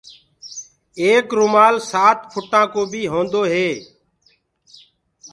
ايڪ رومآل سآت ڦُٽآ ڪو بيٚ هونٚدو هي